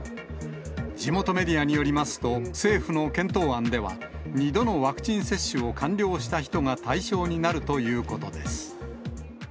地元メディアによりますと、政府の検討案では、２度のワクチン接種を完了した人が対象になるということです。